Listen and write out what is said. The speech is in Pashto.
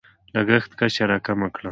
لګښت کچه راکمه کړه.